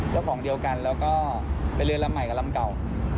ของเดียวกันแล้วก็เป็นเรือนลำใหม่กับลำเก่า